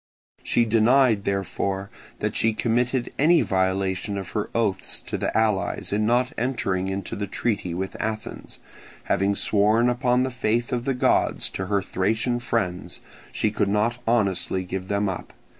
She denied, therefore, that she committed any violation of her oaths to the allies in not entering into the treaty with Athens; having sworn upon the faith of the gods to her Thracian friends, she could not honestly give them up.